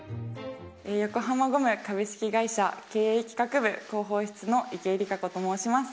横浜ゴム株式会社経営企画部広報室の池江璃花子と申します。